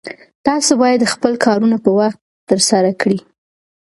تاسو باید خپل کارونه په خپل وخت ترسره کړئ.